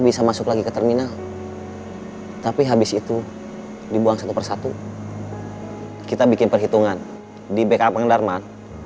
bisa masuk lagi ke terminal tapi habis itu dibuang satu persatu kita bikin perhitungan di backup pengendarman